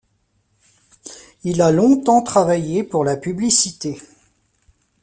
Il a longtemps travaillé pour la publicité.